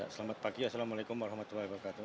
selamat pagi assalamualaikum wr wb